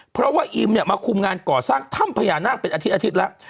เพราะว่าอิมเนี่ยมาคุมงานก่อสร้างถ้ำพญานาคเป็นอาทิตอาทิตย์แล้ว